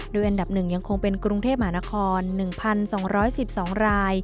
โดยอันดับหนึ่งยังคงเป็นกรุงเทพหมานครหนึ่งพันสองร้อยสิบสองราย